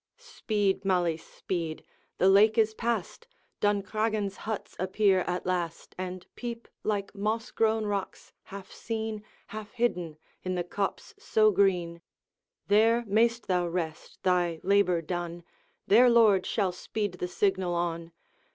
Speed, Malise, speed! The lake is past, Duncraggan's huts appear at last, And peep, like moss grown rocks, half seen Half hidden in the copse so green; There mayst thou rest, thy labor done, Their lord shall speed the signal on.